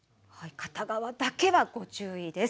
片側だけは、ご注意です。